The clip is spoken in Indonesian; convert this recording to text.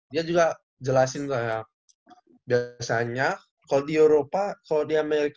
dia juga jelasin biasanya kalau di eropa kalau di amerika